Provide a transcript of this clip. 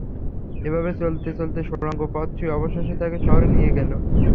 এভাবে চলতে চলতে সুড়ঙ্গ পথটি অবশেষে তাকে শহরে নিয়ে গেল।